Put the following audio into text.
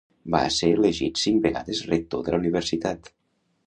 Va ser elegit cinc vegades rector de la universitat.